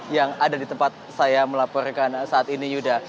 yang ada di tempat saya melaporkan saat ini yuda